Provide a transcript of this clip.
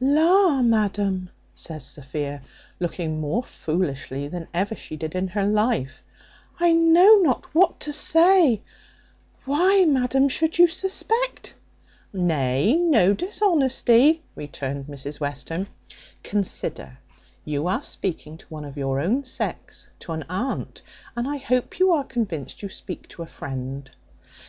"La, madam," says Sophia, looking more foolishly than ever she did in her life, "I know not what to say why, madam, should you suspect?" "Nay, no dishonesty," returned Mrs Western. "Consider, you are speaking to one of your own sex, to an aunt, and I hope you are convinced you speak to a friend.